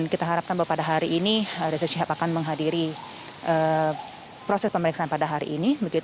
kita harapkan bahwa pada hari ini rizik syihab akan menghadiri proses pemeriksaan pada hari ini